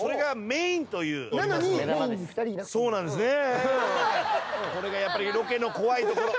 そうなんですね。